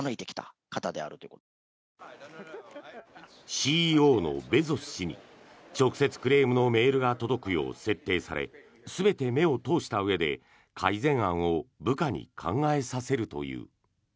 ＣＥＯのベゾス氏に直接クレームのメールが届くよう設定され全て目を通したうえで、改善案を部下に考えさせるという。